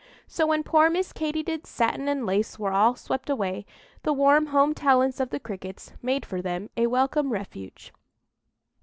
So when poor Miss Katy did's satin and lace were all swept away, the warm home talents of the Crickets made for them a welcome refuge.